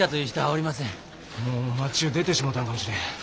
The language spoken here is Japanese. もう町ゅう出てしもうたんかもしれん。